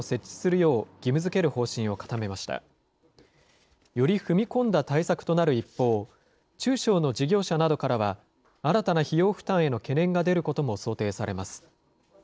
より踏み込んだ対策となる一方、中小の事業者などからは新たな費用負担への懸念が出ることも想定されます。